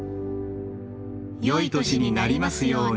よい年になりますように。